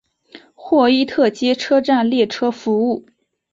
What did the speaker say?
霍伊特街车站列车服务。